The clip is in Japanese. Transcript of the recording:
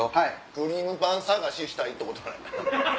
クリームパン探ししたいってことや。